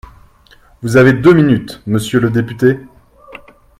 Vous avez deux minutes, monsieur le député.